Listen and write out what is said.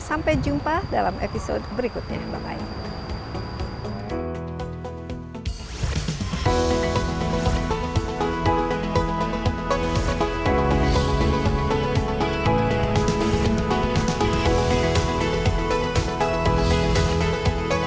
sampai jumpa dalam episode berikutnya bye bye